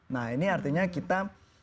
nah ini artinya kita